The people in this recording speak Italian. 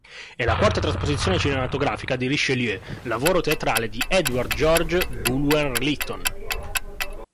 È la quarta trasposizione cinematografica di "Richelieu", lavoro teatrale di Edward George Bulwer-Lytton.